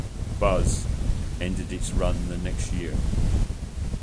"Buzz" ended its run the next year.